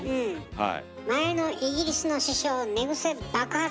はい！